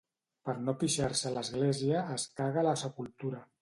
Per no pixar-se a l'església, es caga a la sepultura.